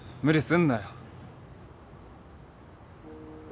無理すんなよ。